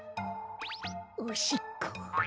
おしっこ。